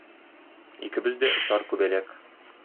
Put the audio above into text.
Икебез дә очар күбәләк.